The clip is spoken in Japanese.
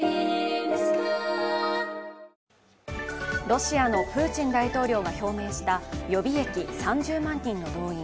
ロシアのプーチン大統領が表明した予備役３０万人の動員。